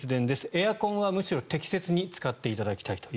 エアコンはむしろ適切に使っていただきたいと